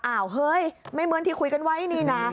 เฮ้ยไม่เหมือนที่คุยกันไว้นี่นะ